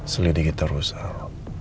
selidiki terus al